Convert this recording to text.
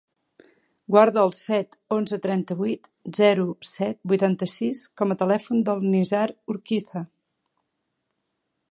Guarda el set, onze, trenta-vuit, zero, set, vuitanta-sis com a telèfon del Nizar Urquiza.